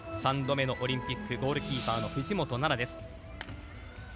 ３度目のオリンピックゴールキーパーの藤本那菜です。